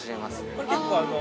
◆これ結構。